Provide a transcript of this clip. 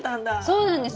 そうなんです。